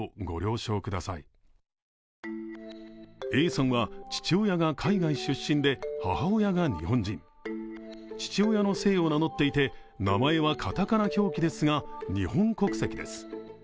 Ａさんは、父親が海外出身で、母親が日本人、父親の姓を名乗っていた、名前はかたかな表記ですが日本国籍です。